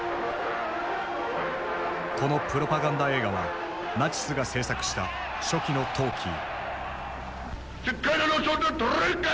このプロパガンダ映画はナチスが製作した初期のトーキー。